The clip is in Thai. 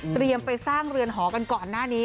ไปสร้างเรือนหอกันก่อนหน้านี้